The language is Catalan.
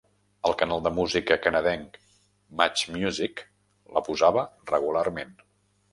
El canal de música canadenc MuchMusic la posava regularment.